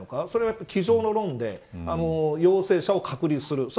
それは机上の論理で陽性者を隔離する。